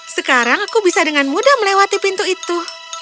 sekarang aku bisa dengan mudah melewati pintu itu